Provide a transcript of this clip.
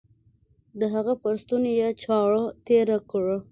د هغه پر ستوني يې چاړه تېره کړه.